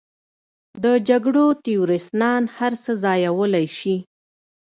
د جګړو تیورسنان هر څه ځایولی شي.